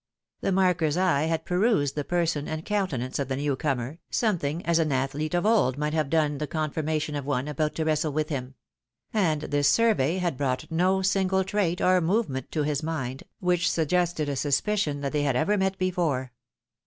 The marker's eye had perused the 82 THE WIDOW MAEEIED. person and countenance of tte new comer, something as an athlete of old might have done the conformation of one about to wrestle with him ; and this survey had brought no single trait or movement to his mind, which suggested a suspicion that they had ever met before.